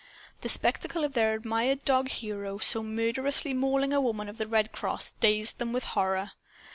The spectacle of their admired dog hero, so murderously mauling a woman of the Red Cross, dazed them with horror.